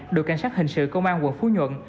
đội cảnh sát hình sự công an quận phú nhuận